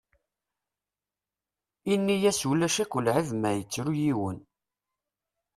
Ini-as Ulac akk lɛib ma yettru yiwen.